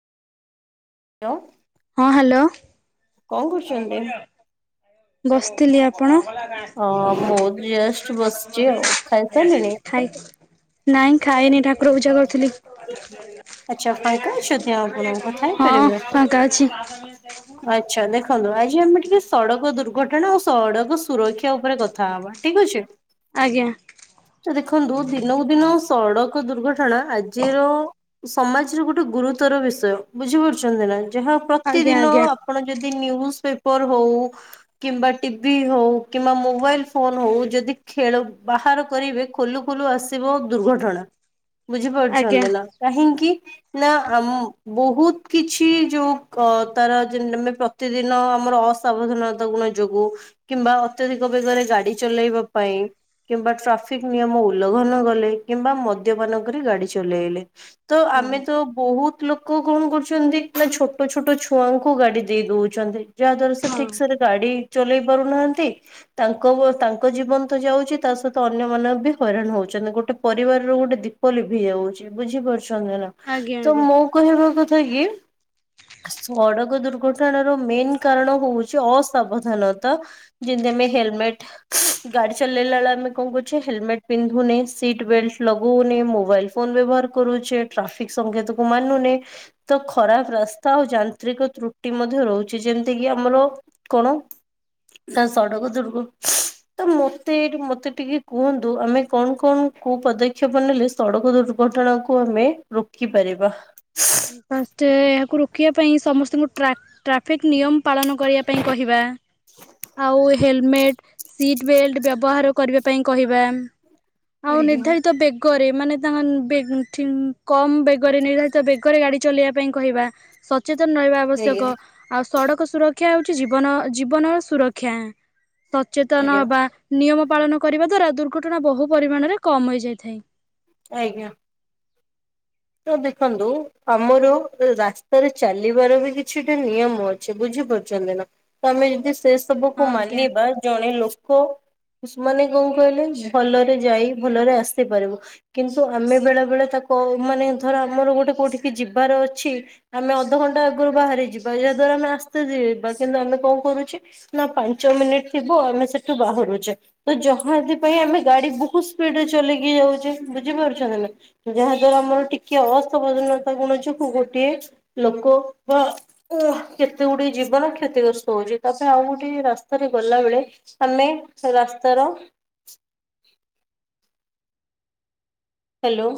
ଲୋ। ହଁ ହ୍ୟାଲୋ। କଣ କରୁଛନ୍ତି? ବସିଥିଲି ଆପଣ? ହଁ ମୁଁ ଜଷ୍ଟ ବସିଛି ଆଉ ଖାଇସାରିଲିଣି? [unintelligible] ନାଇଁ ଖାଇନି ଠାକୁର ପୂଜା କରୁଥିଲି। ଆଚ୍ଛା ଫାଙ୍କା ଅଛନ୍ତି ଆପଣ କଥା ହଁ ହେଇପାରିବେ? ଫାଙ୍କା ଅଛି। ଆଚ୍ଛା ଦେଖନ୍ତୁ ଆଜି ଆମେ ଟିକେ ସଡକ ଦୁର୍ଘଟଣା ଆଉ ସଡକ ଶ୍ ସୁରକ୍ଷା ଉପରେ କଥା ହବା ଠିକ ଅଛି। ଆଜ୍ଞା। ତ ଦେଖନ୍ତୁ ଦିନକୁ ଦିନ ସଡକ ଦୁର୍ଘଟଣା ଆଜିର ସମାଜରେ ଗୋଟେ ଗୁରୁତର ବିଷୟ ବୁଝିପାରୁଛନ୍ତି ନା ଯାହା ଆଜ୍ଞା ପ୍ରତିଦିନ ଆଜ୍ଞା ଆପଣ ଯଦି ନ୍ୟୁଜ ପେପର ହଉ କିମ୍ବା ଟିଭି ହଉ କିମ୍ବା ମୋବାଇଲ ଫୋନ ହଉ ଯଦି ଖେଳ ବାହାର କରିବେ ଖୋଲୁ ଖୋଲୁ ଆସିବ ଦୁର୍ଘଟଣା ଆଜ୍ଞା ବୁଝିପାରୁଛନ୍ତି ନା କାହିଁକି? ନା ଆମ୍ ବହୁତ୍ କିଛି ଯୋଉ କ ତାର ଜେନ୍ ନେନେ ପ ତିଦିନ ଆମର ଅସାବଧାନତା ଗୁଣ ଯୋଗୁଁ କିମ୍ବା ଅତ୍ୟଧିକ ବେଗରେ ଗାଡି ଚଲେଇବା ପାଇଁ କିମ୍ବା ଟ୍ରାଫିକ ନିୟମ ଉଲ୍ଲଘନ କଲେ କିମ୍ବା ମଦ୍ୟପାନ କରି ଗାଡି ଚଲେଇଲେ। ତ ହଁ ଆମେ ତ ବୋହୁତ୍ ଲୋକ କଣ କରୁଛନ୍ତି ନା ଛୋଟ ଛୋଟ ଛୁଆଙ୍କୁ ଗାଡି ଦେଇ ଦଉଛନ୍ତି ଯାହା ଦ୍ଵାରା ସେ ଠିକ ସେରେ ଗାଡି ଚଲେଇ ପାରୁନାହାନ୍ତି। ତାଙ୍କ ବ ତାଙ୍କ ଜୀବନ ତ ଯାଉଛି ତା ସହିତ ଅନ୍ୟ ମାନେ ବି ହଇରାଣ ହଉଛନ୍ତି। ଗୋଟେ ପରିବାରର ଗୋଟେ ଦୀପ ଲିଭି ଯାଉଛି ବୁଝିପାରୁଛନ୍ତି ନା। ଆଜ୍ଞା ତ ଆଜ୍ଞା। ମୁଁ କହିବା କଥା କି? ସଡକ ଦୁର୍ଘଟଣାର ମେନ୍ କାରଣ ହଉଛି ଅସାବଧାନତା। ଯେମତି ଆମେ ହେଲମେଟ, ଗାଡି ଚଲେଇଲା ବେଳେ ଆମେ କଣ କରୁଛେ ହେଲମେଟ ପିନ୍ଧୁନେ। ସିଟ ବେଲ୍ଟ ଲଗଉନେ, ମୋବାଇଲ ଫୋନ ବ୍ୟବହାର କରୁଛେ, ଟ୍ରାଫିକ ସଂଙ୍କେତକୁ ମାନୁନେ। ତ ଖରାପ ରାସ୍ତା ଆଉ ଯାନ୍ତ୍ରିକ ତ୍ରୁଟି ମଧ୍ୟ ରହୁଛି। ଯେମିତି କିି ଆମର କଣ, ନା ସଡ଼କ ଦୂର୍ଘ ତ ମତେ ଏ ମତେ ଟିକେ କୁହନ୍ତୁ ଆମେ କଣ କଣ କୋଉ ପଦକ୍ଷେପ ନେଲେ ସଡକ ଦୁର୍ଘଟଣା କୁ ଆମେ ରୋକି ପାରିବା? ଫଷ୍ଟ ଏହାକୁ ରୋକିବା ପାଇଁ ସମସ୍ତଙ୍କୁ ଟ୍ରାକ ଟ୍ରାଫିକ ନିୟମ ପାଳନ କରିବା ପାଇଁ କହିବା। ଆଉ ହେଲମେଟ୍, ସିଟ୍ ବେଲ୍ଟ୍ ବ୍ୟବହାର କରିବା ପାଇଁ କହିବା। ଆଉ ଆଜ୍ଞା ନିର୍ଦ୍ଧାରିତ ବେଗରେ ମାନେ ତାଙ୍କ [unintelligible] କମ ବେଗରେ ନିର୍ଦ୍ଧାରିତ ବେଗ ଗ ରେ ଗାଡି ଚଲେଇବା ପାଇଁ କହିବା। ସଚେତନ ରହିବା ଆଜ୍ଞା ଆବଶ୍ୟକ। ଆଉ ସଡକ ସୁରକ୍ଷା ହଉଛି ଜୀବନ ଜୀବନର ସୁରକ୍ଷା। ସଚେତନ ଆଜ୍ଞା ହବା। ନିୟମ ପାଳନ କରିବା ଦ୍ଵାରା ଦୁର୍ଘଟଣା ବହୁ ପରିମାଣରେ କମ ହେଇଯାଇଥାଏ। ଆଜ୍ଞା ତ ଦେଖନ୍ତୁ ଆମର ରାସ୍ତାରେ ଚାଲିବାର ବି କିଛି ଟେ ନିୟମ ଅଛି। ବୁଝିପାରୁଛନ୍ତି ନା, ତ ଆମେ ଯଦି ସେ ସବୁକୁ ହଁ ଆଜ୍ଞା ମାନିବା ଜଣେ ଲୋ କ ମାନେ କଣ କହିଲେ ଭଲରେ ଯାଇ ଭଲରେ ଆସି ପାରିବ। କିନ୍ତୁ ଆମେ ବେଳେ ବେଳେ ତାକୁ ମାନେ ଧର ଆମର ଗୋଟେ କୋଉଠିକି ଯିବାର ଅଛି ଆମେ ଅଧଘଣ୍ଟା ଆଗରୁ ବାହାରି ଯିବା। ଯା ଦ୍ଵାରା ଆମେ ଆସ୍ତେ ଯିବା କିନ୍ତୁ ଆମେ କଣ କରୁଛେ ନା ପାଞ୍ଚ ମିନିଟ ଥିବ ଆମେ ସେଠୁ ବାହାରୁଛେ। ତ ଯାହାଥି ପାଇଁ ଆମେ ଗାଡି ବହୁତ ସ୍ପିଡରେ ଚଲେଇକି ଯାଉଛେ ବୁଝିପାରୁଛନ୍ତି ନା। ଯାହା ଆମର ଟିକେ ଅସାବଧାନତା ଗୁଣ ଯୋଗ ଗୋଟେ ଲୋକ ବା ଓ କେତେ ଗୁଟେ ଜୀବନ କ୍ଷତିଗ୍ରସ୍ତ ହଉଛି। ତାପରେ ଆଉ ଗୋଟେ ରାସ୍ତାରେ ଗଲା ବେଳେ ଆମେ ରାସ୍ତାର ହ୍ୟାଲୋ